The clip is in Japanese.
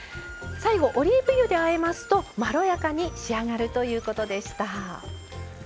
最後、オリーブ油であえますとまろやかに仕上がるということでした。